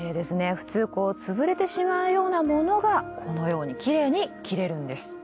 普通こうつぶれてしまうようなものがこのようにきれいに切れるんです。